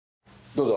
どうぞ。